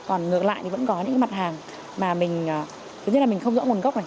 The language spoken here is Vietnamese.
còn ngược lại thì vẫn có những mặt hàng mà mình tức là mình không rõ nguồn gốc này